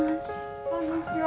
こんにちは。